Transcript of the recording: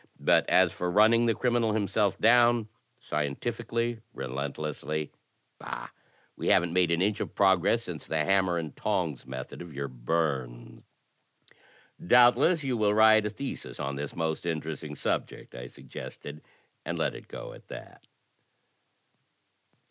But as for running the criminal himself down, scientifically, relentlessly — ^bah! we haven't made an inch of prog ress since the hammer and tongs method of your Byrnes." Doubtless you will write a thesis on this most interesting sub ject," I suggested, and let it go at that."